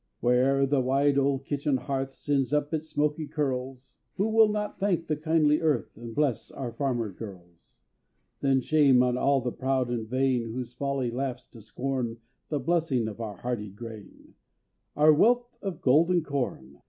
Where'er the wide old kitchen hearth Sends up its smoky curls, Who will not thank the kindly earth, And bless our farmer girls? Then shame on all the proud and vain, Whose folly laughs to scorn The blessing of our hardy grain, Our wealth of golden corn!